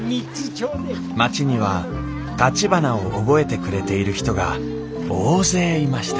町にはたちばなを覚えてくれている人が大勢いました